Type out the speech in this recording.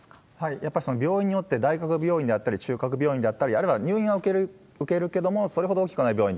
やっぱり病院によって、大学病院であったり、中核病院であったり、あるいは入院は受けるけれども、それほど大きくない病院。